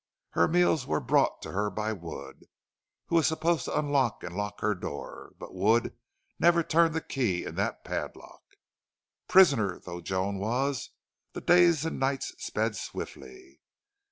Her meals were brought to her by Wood, who was supposed to unlock and lock her door. But Wood never turned the key in that padlock. Prisoner though Joan was, the days and nights sped swiftly.